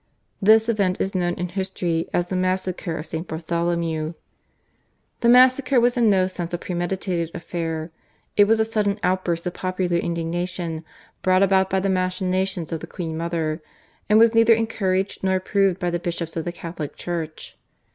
This event is known in history as the massacre of St. Bartholomew. The massacre was in no sense a premeditated affair. It was a sudden outburst of popular indignation brought about by the machinations of the queen mother, and was neither encouraged nor approved by the bishops of the Catholic Church.